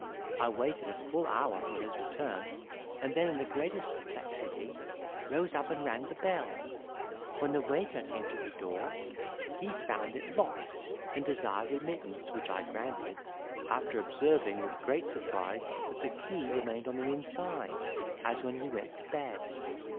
I waited a full hour for his return, and then in the greatest perplexity, rose up and rang the bell. When the waiter came to the door, he found it locked, and desired admittance, which I granted, after observing, with great surprise, that the key remained on the inside, as when we went to bed.